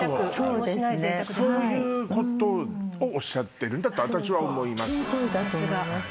そういうことをおっしゃってるんだと私は思います。